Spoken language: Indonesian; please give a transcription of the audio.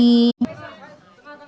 kiri atas sekali lagi